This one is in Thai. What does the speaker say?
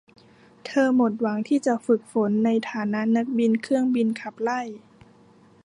เธอหมดหวังที่จะฝึกฝนในฐานะนักบินเครื่องบินขับไล่